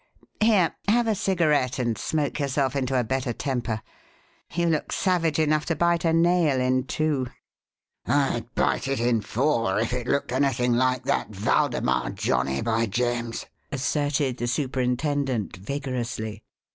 Here have a cigarette and smoke yourself into a better temper. You look savage enough to bite a nail in two." "I'd bite it in four if it looked anything like that Waldemar johnnie, by James!" asserted the superintendent, vigorously.